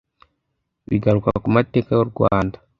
bigaruka ku mateka y’u Rwanda